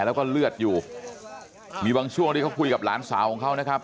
แล้วก็เลือดอยู่มีบางช่วงที่เขาคุยกับหลานสาวของเขานะครับ